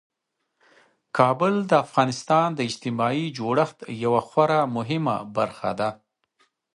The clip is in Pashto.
کابل د افغانستان د اجتماعي جوړښت یوه خورا مهمه برخه ده.